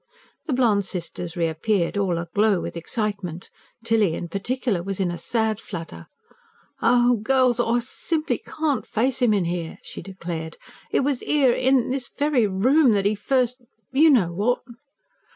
The blonde sisters reappeared, all aglow with excitement. Tilly, in particular, was in a sad flutter. "Girls, I simply CAN'T face 'im in 'ere!" she declared. "It was 'ere, in this very room, that 'e first you know what!"